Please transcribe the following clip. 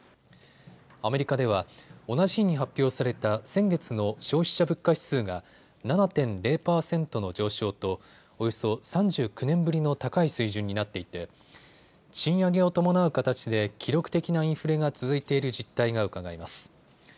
アメリカでは同じ日に発表された先月の消費者物価指数が７．０％の上昇とおよそ３９年ぶりの高い水準になっていて賃上げを伴う形で記録的なインフレが続いている実態がうかがえます。